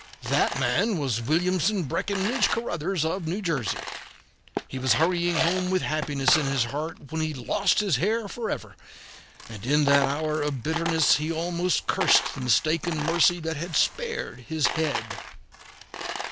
That man was Williamson Breckinridge Caruthers of New Jersey. He was hurrying home with happiness in his heart, when he lost his hair forever, and in that hour of bitterness he almost cursed the mistaken mercy that had spared his head.